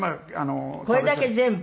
これだけ全部？